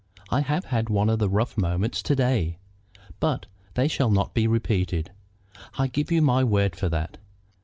I have had one of the rough moments to day, but they shall not be repeated. I give you my word for that.